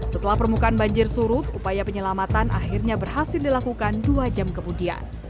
setelah permukaan banjir surut upaya penyelamatan akhirnya berhasil dilakukan dua jam kemudian